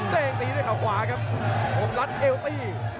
เด้งตีด้วยเขาขวาครับผมรัดเอวตี้